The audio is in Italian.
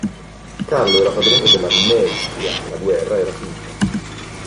Carlo era padrone della Neustria, la guerra era finita.